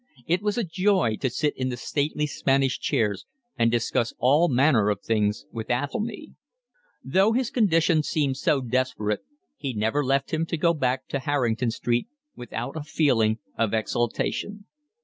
It was a joy to sit in the stately Spanish chairs and discuss all manner of things with Athelny. Though his condition seemed so desperate he never left him to go back to Harrington Street without a feeling of exultation.